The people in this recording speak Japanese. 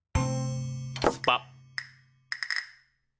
スパッ。